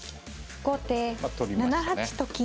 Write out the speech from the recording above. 後手７八と金。